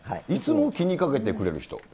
いつも気にかけてくれる人。